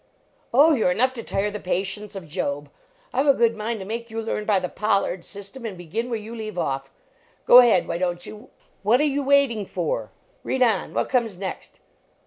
Oh, you re enough to tire the patience of Job! I ve a good mind to make you learn by the Pollard system, and begin where you leave off! Go ahead, why don t you? Whatta you waiting for? Read on! What comes next?